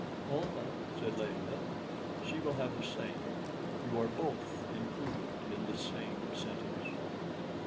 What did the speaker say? "Almah," said Layelah "she will have the same; you are both included in the same sentence."